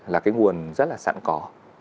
là cái nguồn rất là sẵn có